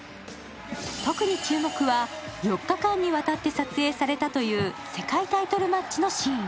特に注目は４日間にわたって撮影されたという世界タイトルマッチのシーン。